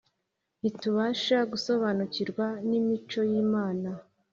Ntitubasha gusobanukirwa n’imico y’Imana